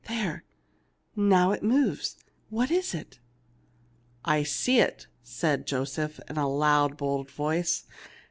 " There ! now it moves. What is it ?" "I see it/ 5 said Joseph, in a loud, bold voice.